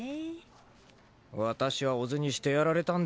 わたしは小津にしてやられたんです。